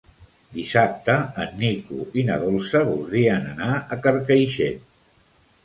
Dissabte en Nico i na Dolça voldrien anar a Carcaixent.